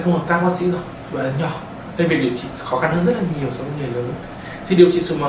có con sĩ và nhỏ nên việc điều trị khó khăn hơn rất là nhiều trong người lớn thì điều trị xùi màu